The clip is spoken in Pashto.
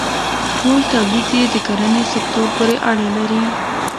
ټول تولید یې د کرنې سکتور پورې اړه لري.